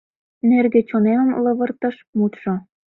Нӧргӧ чонемым Лывыртыш мутшо.